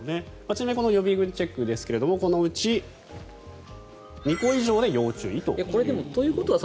ちなみに予備軍チェックですがこのうち２個以上で要注意ということです。